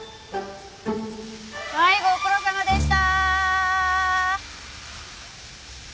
はいご苦労さまでした。